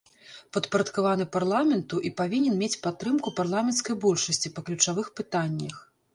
Падпарадкаваны парламенту і павінен мець падтрымку парламенцкай большасці па ключавых пытаннях.